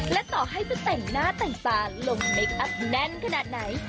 และต่อให้จะแต่งหน้าแต่งตาลงเมคอัพแน่นขนาดไหน